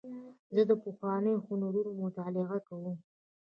زه د پخوانیو هنرونو مطالعه کوم.